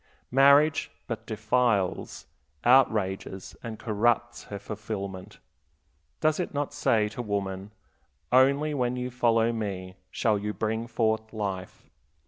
Marriage but defiles, outrages, and corrupts her fulfillment. Does it not say to woman, Only when you follow me shall you bring forth life?